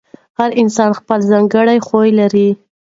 هر انسان خپل ځانګړی خوی لري.